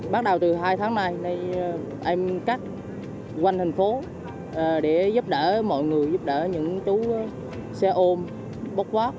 bắt đầu từ hai tháng nay em cắt quanh thành phố để giúp đỡ mọi người giúp đỡ những chú xe ôm bóc quát